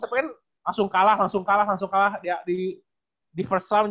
tapi kan langsung kalah langsung kalah langsung kalah di first time